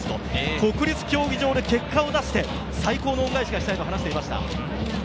国立競技場で結果を出して、最高の恩返しがしたいと話していました。